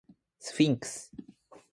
スフィンクス